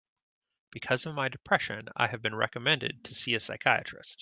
Because of my depression, I have been recommended to see a psychiatrist.